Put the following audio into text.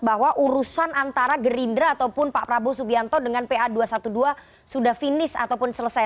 bahwa urusan antara gerindra ataupun pak prabowo subianto dengan pa dua ratus dua belas sudah finish ataupun selesai